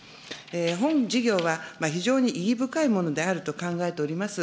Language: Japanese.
本事業は非常に意義深いものであると考えております。